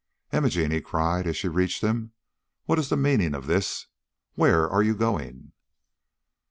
"Imogene," he cried, as she reached him, "what is the meaning of this? Where are you going?"